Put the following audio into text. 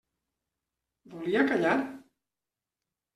Volia callar?